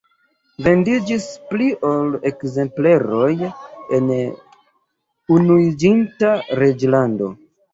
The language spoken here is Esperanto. Vendiĝis pli ol ekzempleroj en Unuiĝinta Reĝlando.